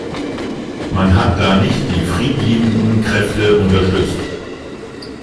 Man hat da nicht die friedliebenden Kräfte unterstützt.